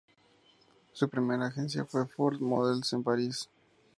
Su primera agencia fue Ford Models en París.